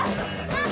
あっ！